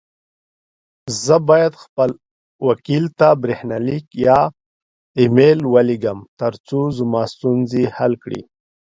زه بايد خپل وکيل ته بريښناليک يا اى ميل وليږم، ترڅو زما ستونزي حل کړې.